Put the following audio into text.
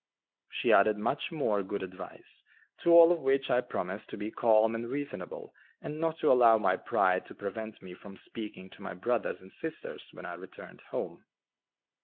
She added much more good advice, to all of which I promised to be calm and reasonable and not to allow my pride to prevent me from speaking to my brothers and sisters when I returned home.